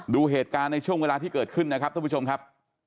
ดูเหตุการณ์ในช่วงเวลาที่เกิดขึ้นนะครับท่านผู้ชมครับ